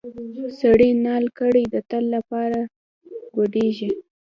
سړی نال کړې د تل لپاره ګوډیږي.